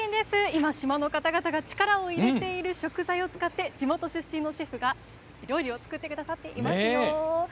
今、島の方々が力を入れている食材を使って地元出身のシェフが料理を作ってくださっていますよ。